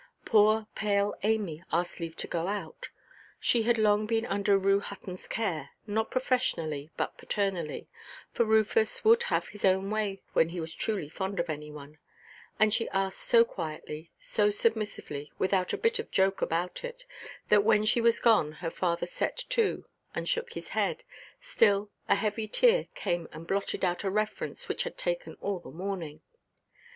Poor pale Amy asked leave to go out. She had long been under Rue Huttonʼs care, not professionally, but paternally (for Rufus would have his own way when he was truly fond of any one), and she asked so quietly, so submissively, without a bit of joke about it, that when she was gone her father set to and shook his head, till a heavy tear came and blotted out a reference which had taken all the morning.